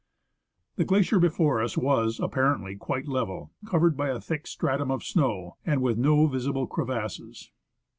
The glacier before us was, apparently, quite level, covered by a thick stratum of snow, and with no visible crevasses.